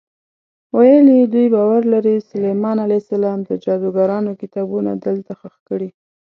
ویل یې دوی باور لري سلیمان علیه السلام د جادوګرانو کتابونه دلته ښخ کړي.